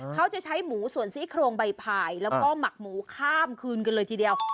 เขาจะใช้หมูส่วนซี่โครงใบพายแล้วก็หมักหมูข้ามคืนกันเลยทีเดียว